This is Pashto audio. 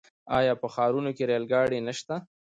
آیا په ښارونو کې ریل ګاډي نشته؟